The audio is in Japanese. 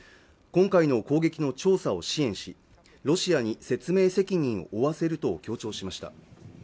今回の攻撃の調査を支援しロシアに説明責任を負わせると強調しました